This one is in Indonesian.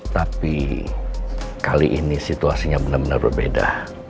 tapi kali ini situasinya benar benar berbeda